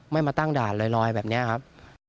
มาตั้งด่านลอยแบบนี้ครับ